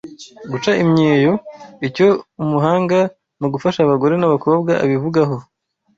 Guca imyeyo: Icyo umuhanga mu gufasha abagore n'abakobwa abivugaho